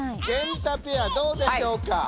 ゲンタペアどうでしょうか？